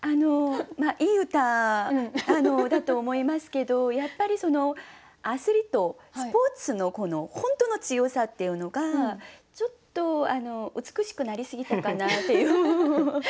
いい歌だと思いますけどやっぱりアスリートスポーツの本当の強さっていうのがちょっと美しくなりすぎたかなっていう歌がきれいに。